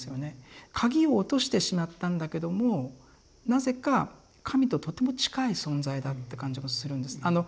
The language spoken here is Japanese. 鍵を落としてしまったんだけどもなぜか神ととても近い存在だって感じもするんです。